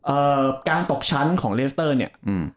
เอ่อการตกชั้นของเลสเตอร์เนี้ยอืม